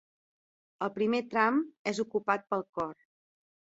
El primer tram és ocupat pel cor.